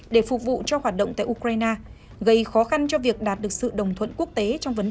để phục vụ cho hoạt động tại ukraine